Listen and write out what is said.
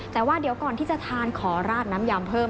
แต่ว่าเดี๋ยวก่อนที่จะทานขอราดน้ำยำเพิ่ม